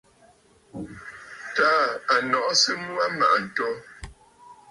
Taà à nɔʼɔ sɨŋ wa mmàʼà ǹto.